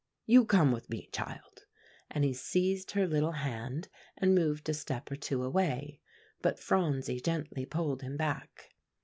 You come with me, child;" and he seized her little hand, and moved a step or two away. But Phronsie gently pulled him back.